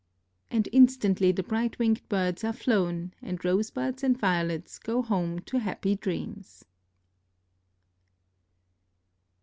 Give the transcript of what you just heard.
And instantly the bright winged birds are flown, and rose buds and violets go home to happy dreams.